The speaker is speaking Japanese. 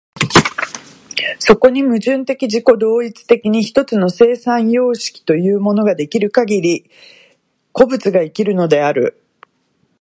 そこに矛盾的自己同一的に一つの生産様式というものが出来るかぎり、個物が生きるのである。